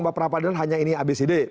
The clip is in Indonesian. mbak prabadana hanya ini abcd